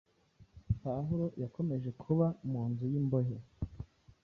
Pawulo yakomeje kuba mu nzu y’imbohe